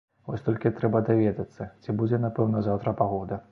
Вось толькі трэба даведацца, ці будзе напэўна заўтра пагода.